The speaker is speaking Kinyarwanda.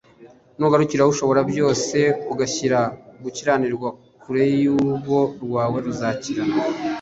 nugarukira ishoborabyose, ugashyira gukiranirwa kure y’ urugo rwawe uzakomera